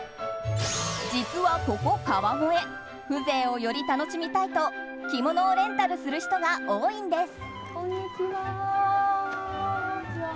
実はここ川越風情をより楽しみたいと着物をレンタルする人が多いんです。